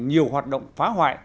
nhiều hoạt động phá hoại